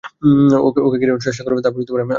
ওকে ঘিরে ধরার চেষ্টা করুন, তারপর আমি প্লাগ খুলে দেবো।